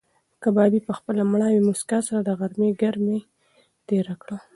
کبابي په خپله مړاوې موسکا سره د غرمې ګرمي تېره کړه.